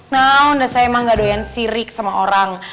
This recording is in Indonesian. nah udah saya emang gak doyan sirik sama orang